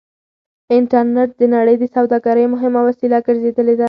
انټرنټ د نړۍ د سوداګرۍ مهمه وسيله ګرځېدلې ده.